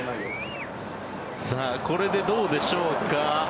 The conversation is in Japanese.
これでどうでしょうか。